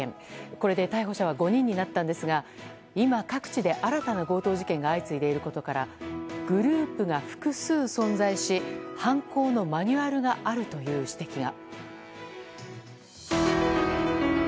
これで逮捕者は５人になったんですが今、各地で新たな強盗事件が相次いでいることからグループが複数存在し犯行のマニュアルがあるという指摘が。